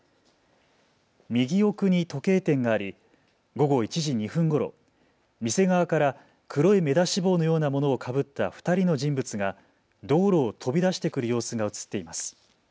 右奥に時計店があり午後１時２分ごろ店側から黒い目出し帽のようなものをかぶった２人の人物が道路を飛び出してくる様子が写っています。